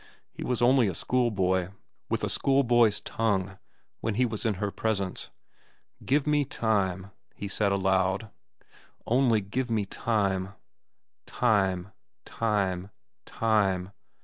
He was only a schoolboy, with a schoolboy's tongue, when he was in her presence. "Give me time," he said aloud. "Only give me time." Time! Time! Time!